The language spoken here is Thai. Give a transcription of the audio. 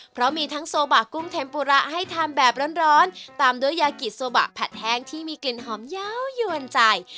เพราะมีทั้งโซบะกุ้งเทมปุระให้ทานแบบร้อนตามด้วยยากิโซบะผัดแห้งที่มีกลิ่นหอมยาวยวนใจ